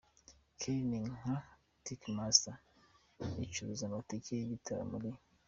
Kelly ni nka Ticketmaster, icuruza amatike y'igitaramo R.